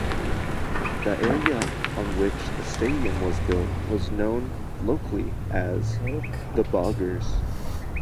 The area on which the stadium was built was known locally as The Boggers.